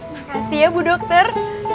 makasih ya bu dokter